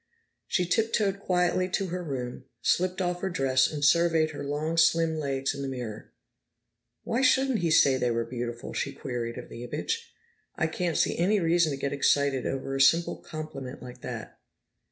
She tiptoed quietly to her room, slipped off her dress, and surveyed her long, slim legs in the mirror. "Why shouldn't he say they were beautiful?" she queried of the image. "I can't see any reason to get excited over a simple compliment like that."